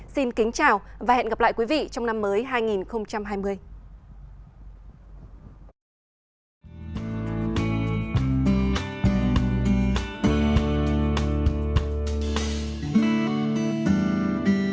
xin kính chào và hẹn gặp lại quý vị trong năm mới hai nghìn hai mươi